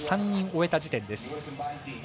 ３人終えた時点です。